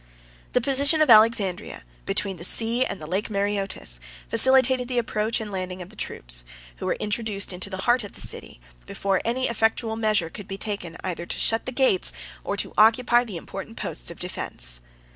134 The position of Alexandria, between the sea and the Lake Mareotis, facilitated the approach and landing of the troops; who were introduced into the heart of the city, before any effectual measures could be taken either to shut the gates or to occupy the important posts of defence.